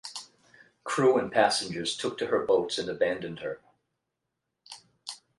Crew and passengers took to her boats and abandoned her.